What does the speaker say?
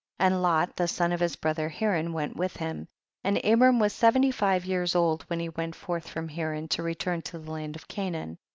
And Lot the son of his brother Haran went with him, and Abram was seventy five years old when he went forth from flaran to return to the land of Canaan.